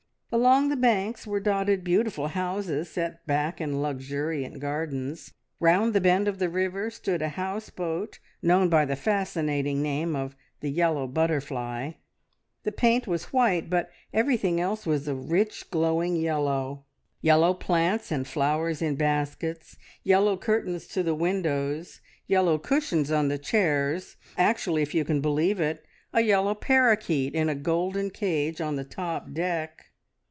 Along the banks were dotted beautiful houses set back in luxuriant gardens; round the bend of the river stood a house boat known by the fascinating name of The Yellow Butterfly. The paint was white, but everything else was a rich, glowing yellow yellow plants and flowers in baskets; yellow curtains to the windows; yellow cushions on the chairs; actually if you can believe it a yellow parakeet in a golden cage on the top deck.